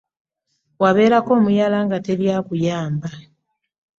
Wabeerako omuyala nga teri akuyamba.